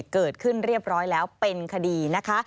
เกิดขึ้นเรียบร้อยแล้วเป็นคดีนะคะ